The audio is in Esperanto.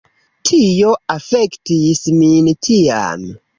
Tio afektis min tiam.